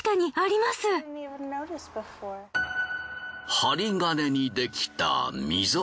針金にできた溝。